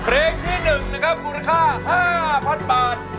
โรงใจโรงใจโรงใจพระอาจารย์ของคุณ